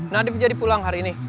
nadif jadi pulang hari ini